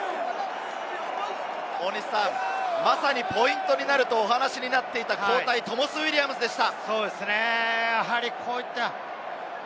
まさにポイントになるとお話になっていた交代選手、トモス・ウィリアムズでした。